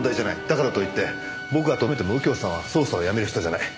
だからといって僕が止めても右京さんは捜査をやめる人じゃない。